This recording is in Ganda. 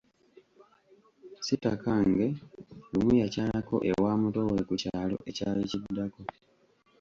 Sitakange lumu yakyalako ewa mutoowe ku kyalo ekyali kiddako.